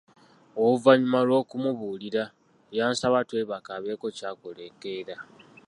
Oluvannyuma lw'okumubuulira yansaba twebake abeeko ky'akola enkeera.